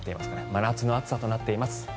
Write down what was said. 真夏の暑さとなっています。